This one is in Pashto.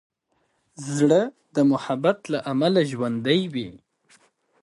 زړه د محبت له امله ژوندی وي.